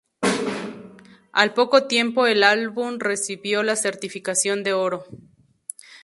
Al poco tiempo el álbum recibió la certificación de oro.